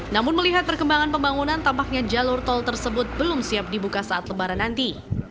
namun melihat perkembangan pembangunan tampaknya jalur tol tersebut belum siap dibuka saat lebaran nanti